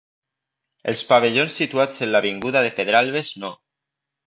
Els pavellons situats en l'avinguda de Pedralbes no.